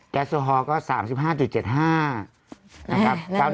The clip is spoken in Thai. แกสโซฮอก็๓๕๗๕นะครับ๙๑ก็๓๕๔๘นะครับผมโอ้โห